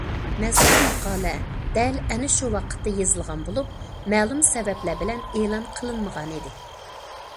مەزكۇر ماقالە دەل ئەنە شۇ ۋاقىتتا يېزىلغان بولۇپ، مەلۇم سەۋەبلەر بىلەن ئېلان قىلىنمىغانىدى.